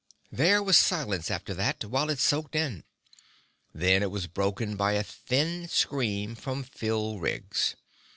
There was silence after that, while it soaked in. Then it was broken by a thin scream from Phil Riggs.